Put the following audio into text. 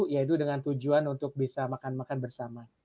yaitu dengan tujuan untuk bisa makan makan bersama